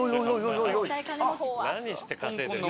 何して稼いでんの？